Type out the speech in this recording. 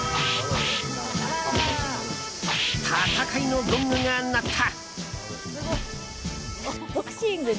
戦いのゴングが鳴った！